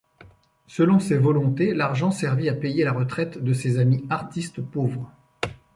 Selon ses volontés l'argent servit à payer la retraite de ses amis artistes pauvres.